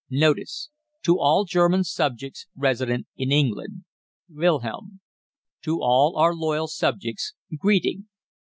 NOTICE. TO ALL GERMAN SUBJECTS RESIDENT IN ENGLAND. WILHELM. To all OUR LOYAL SUBJECTS, GREETING.